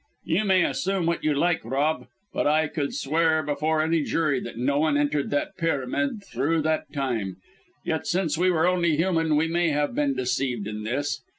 "You may assume what you like, Rob; but I could swear before any jury, that no one entered the pyramid throughout that time. Yet since we were only human, we may have been deceived in this.